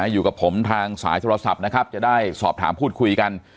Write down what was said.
อยู่กับผมทางสายโทรศัพท์นะครับจะได้สอบถามพูดคุยกัน